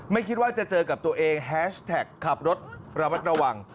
ไม่คิดว่าจะเจอกับตัวเองแฮชแท็กขับรถระมัดระวัง